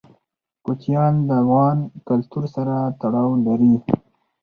کوچیان د افغان کلتور سره تړاو لري.